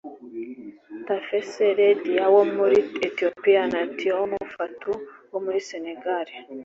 Tafesse Ledya wo muri Ethiopia na Thioune Fatou wo muri Senegal